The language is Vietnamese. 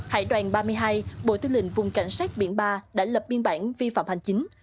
hải đoàn ba mươi hai bộ tư lệnh vùng cảnh sát biển ba đã lập biên bản vi phạm hành chính